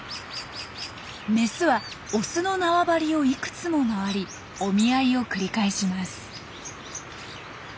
メスはオスの縄張りをいくつも回りお見合いを繰り返します。